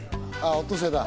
オットセイだ。